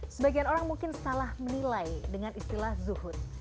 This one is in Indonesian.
sebagian orang mungkin salah menilai dengan istilah zuhud